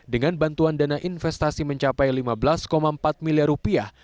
dengan bantuan dana investasi mencapai lima belas empat miliar rupiah